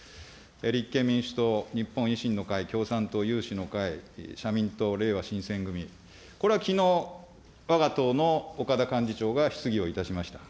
立憲民主党、日本維新の会、共産党、有志の会、社民党、れいわ新選組、これはきのう、わが党の岡田幹事長が質疑をいたしました。